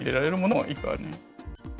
はい。